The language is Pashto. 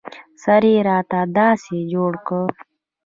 سر يې راته داسې جوړ کړ.